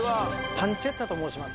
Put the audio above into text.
・パンチェッタと申します